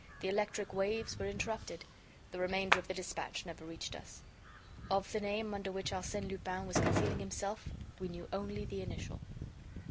The electric waves were interrupted. The remainder of the dispatch never reached us. Of the name under which Arsène Lupin was concealing himself, we knew only the initial.